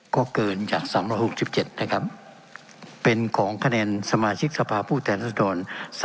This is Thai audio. ก็เกินจาก๓๖๗นะครับเป็นของคะแนนสมาชิกสภาพผู้แทนรัศดร